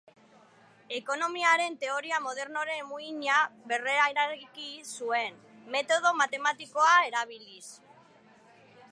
Ekonomiaren teoria modernoaren muina berreraiki zuen, metodo matematikoa erabiliz.